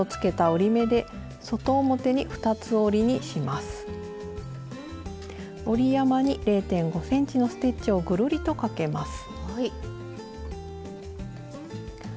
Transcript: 折り山に０．５ｃｍのステッチをぐるりとかけます。